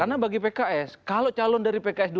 karena bagi pks kalau calon dari pks dua